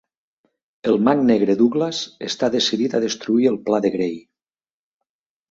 El mag negre Douglas està decidit a destruir el pla de Grey.